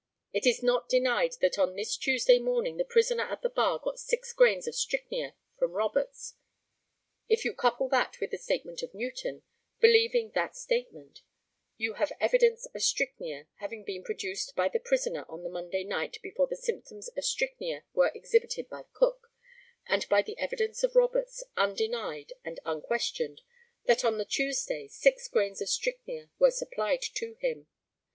It is not denied that on this Tuesday morning the prisoner at the bar got six grains of strychnia from Roberts. If you couple that with the statement of Newton believing that statement you have evidence of strychnia having been procured by the prisoner on the Monday night before the symptoms of strychnia were exhibited by Cook, and by the evidence of Roberts, undenied and unquestioned, that on the Tuesday six grains of strychnia were supplied to him.